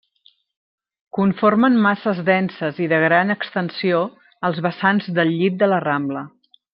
Conformen masses denses i de gran extensió als vessants del llit de la rambla.